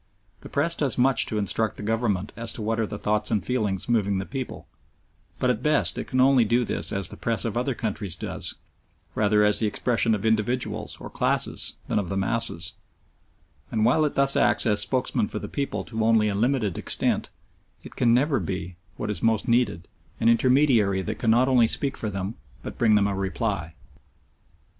The Press does much to instruct the Government as to what are the thoughts and feelings moving the people, but at best it can only do this as the Press of other countries does, rather as the expression of individuals or classes than of the masses, and while it thus acts as spokesman for the people to only a limited extent, it can never be, what is most needed, an intermediary that can not only speak for them but bring them a reply.